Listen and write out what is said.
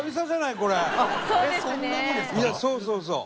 いやそうそうそう。